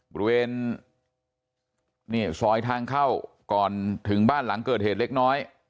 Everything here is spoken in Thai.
บริเวณนี่ซอยทางเข้าก่อนถึงบ้านหลังเกิดเหตุเล็กน้อย